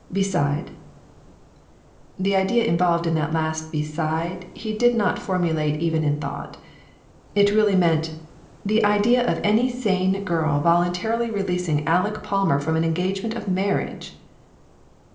Beside" The idea involved in that last "beside" he did not formulate even in thought. It really meant " The idea of any sane girl voluntarily releasing Aleck Palmer from an engagement of marriage